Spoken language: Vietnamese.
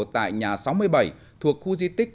tại nhà sáu mươi bảy thuộc khu di tích